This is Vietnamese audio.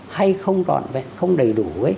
hay không trọn vẹn không đầy đủ